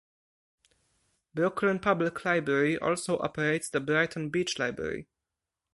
Brooklyn Public Library also operates the Brighton Beach Library.